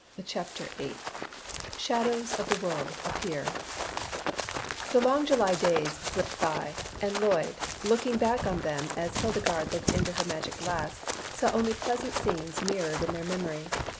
CHAPTER VIII "SHADOWS OF THE WORLD APPEAR" THE long July days slipped by, and Lloyd, looking back on them as Hildegarde looked into her magic glass, saw only pleasant scenes mirrored in their memory.